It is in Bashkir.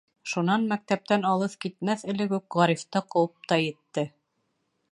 Шунан мәктәптән алыҫ китмәҫ элек үк Ғарифты ҡыуып та етте: